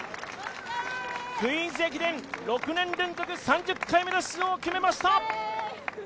「クイーンズ駅伝」６年連続３０回目の出場を決めました！